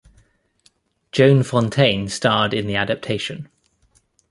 Joan Fontaine starred in the adaptation.